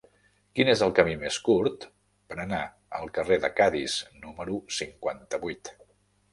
Quin és el camí més curt per anar al carrer de Cadis número cinquanta-vuit?